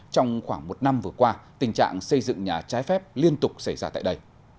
trong khoảng một năm vừa qua tình trạng xây dựng nhà trái phép liên tục xảy ra tại đây